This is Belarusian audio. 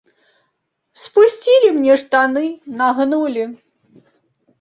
Спусцілі мне штаны, нагнулі.